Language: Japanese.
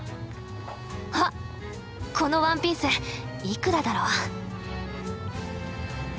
あっこのワンピースいくらだろう？